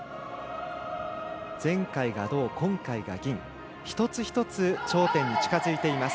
前回が銅、今回が銀一つ一つ、頂点に近づいています。